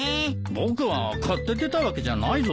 僕は買って出たわけじゃないぞ。